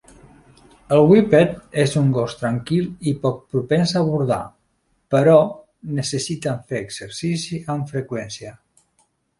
El whippet és un gos tranquil i poc propens a bordar, però necessiten fer exercici amb freqüència.